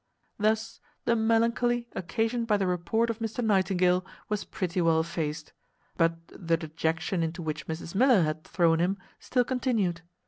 Thus the melancholy occasioned by the report of Mr Nightingale was pretty well effaced; but the dejection into which Mrs Miller had thrown him still continued.